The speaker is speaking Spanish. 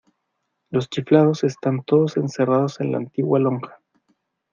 Los chiflados están todos encerrados en la antigua lonja.